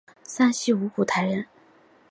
山西省五台县人。